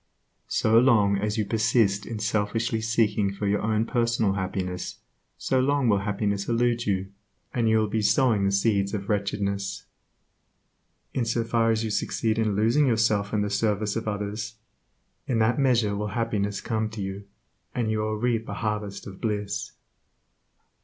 So long as you persist in selfishly seeking for your own personal happiness, so long will happiness elude you, and you will be sowing the seeds of wretchedness. In so far as you succeed in losing yourself in the service of others, in that measure will happiness come to you, and you will reap a harvest of bliss.